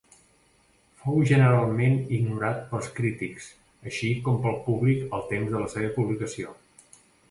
Fou generalment ignorat pels crítics així com pel públic al temps de la publicació.